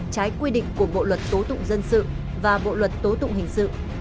trái quy định của bộ luật tố tụng dân sự và bộ luật tố tụng hình sự